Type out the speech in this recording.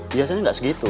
biasanya gak segitu